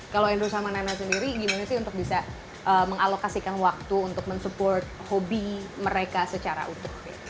kalau andrew sama nana sendiri gimana sih untuk bisa mengalokasikan waktu untuk mensupport hobi mereka secara utuh